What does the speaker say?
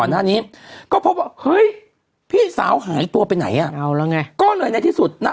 ว่าเฮ้ยพี่สาวหายตัวไปไหนอ่ะเอาแล้วไงก็เลยในที่สุดน่ะ